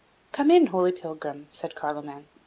"Come in, holy pilgrim," said Carloman.